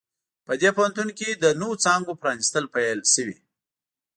په دې پوهنتون کې د نوو څانګو پرانیستل پیل شوي